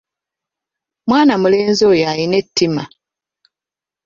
Mwana mulenzi oyo alina ettima.